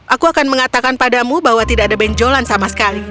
aku akan mengatakan padamu bahwa tidak ada benjolan sama sekali